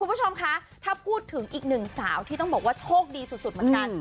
คุณผู้ชมคะถ้าพูดถึงอีกหนึ่งสาวที่ต้องบอกว่าโชคดีสุดเหมือนกัน